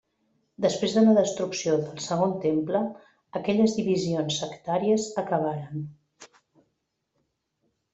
Després de la destrucció del Segon Temple, aquelles divisions sectàries acabaren.